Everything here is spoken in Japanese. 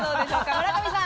村上さん。